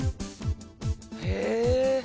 へえ。